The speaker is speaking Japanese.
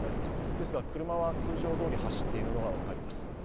ですが車は通常どおり走っているのが分かります。